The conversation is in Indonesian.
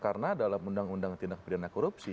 karena dalam undang undang tindak perintah korupsi